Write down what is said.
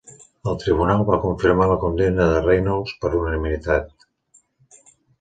El tribunal va confirmar la condemna de Reynolds per unanimitat.